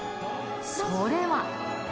それは。